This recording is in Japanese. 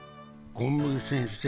「昆布先生